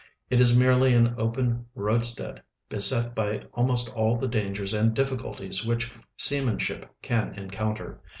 It is merely an open roadstead, beset by almost all the dangers and difficulties which seamanship can encounter.